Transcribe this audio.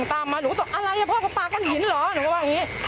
ตามมาหนูต้องอะไรอ่ะก็ปาก็หินหรอหนูก็ว่าอย่างงี้